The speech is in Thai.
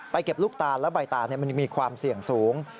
เก็บลูกตานและใบตานมันมีความเสี่ยงสูง